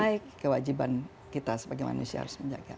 jadi kewajiban kita sebagai manusia harus menjaga